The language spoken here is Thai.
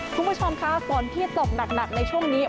คุณผู้ชมคะฝนที่ตกหนักในช่วงนี้